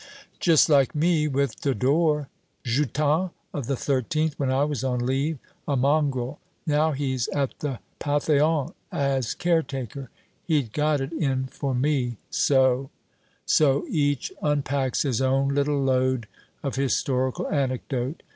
"Just like me, with Dodore, 'jutant of the 13th, when I was on leave a mongrel. Now he's at the Pantheon, as caretaker. He'd got it in for me, so " So each unpacks his own little load of historical anecdote.